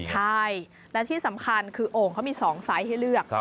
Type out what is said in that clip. ใช่และที่สำคัญคือโอ่งเขามี๒ไซส์ให้เลือก